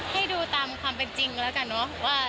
ให้ดูตามความเป็นจริงแล้วกันเนอะว่า